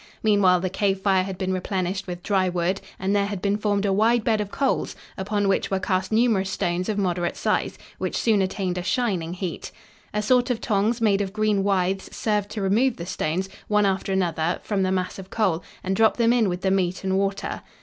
Meanwhile, the cave fire had been replenished with dry wood and there had been formed a wide bed of coals, upon which were cast numerous stones of moderate size, which soon attained a shining heat. A sort of tongs made of green withes served to remove the stones, one after another, from the mass of coal, and drop them in with the meat and water.